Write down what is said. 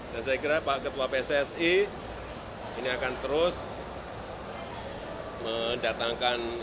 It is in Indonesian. dan saya kira pak ketua pcsi ini akan terus mendatangkan